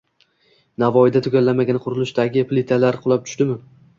Navoiyda tugallanmagan qurilishdagi plitalar qulab tushdimi?